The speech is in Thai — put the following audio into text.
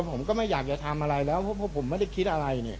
ผมก็ไม่อยากจะทำอะไรแล้วเพราะผมไม่ได้คิดอะไรเนี่ย